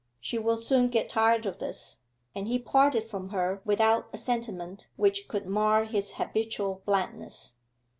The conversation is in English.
'She will soon get tired of this,' and he parted from her without a sentiment which could mar his habitual blandness.